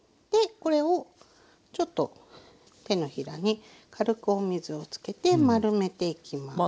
これをちょっと手のひらに軽くお水をつけて丸めていきます。